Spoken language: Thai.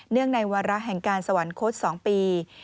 เนื่องในวาระแห่งการสวรรคต๒ปี